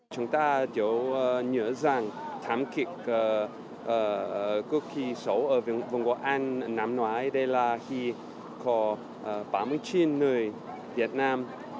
chúng ta nhớ rằng thám kịch cực kỳ xấu ở vùng quốc anh năm ngoái đây là khi có tám mươi chín người việt nam